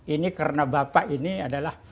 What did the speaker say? ini karena bapak ini adalah